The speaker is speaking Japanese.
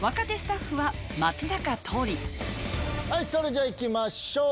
それじゃいきましょう！